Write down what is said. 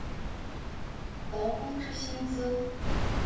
劳工之薪资